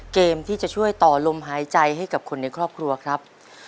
เกมที่จะช่วยต่อลมหายใจให้กับคนในครอบครัวครับ